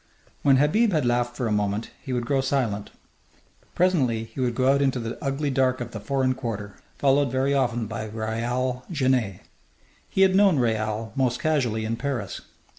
When Habib had laughed for a moment he would grow silent. Presently he would go out into the ugly dark of the foreign quarter, followed very often by Raoul Genet. He had known Raoul most casually in Paris.